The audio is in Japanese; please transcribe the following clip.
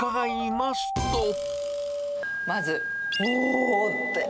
まず、おーっ！って。